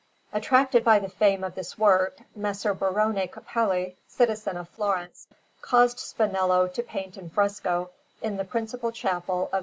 Attracted by the fame of this work, Messer Barone Capelli, citizen of Florence, caused Spinello to paint in fresco, in the principal chapel of S.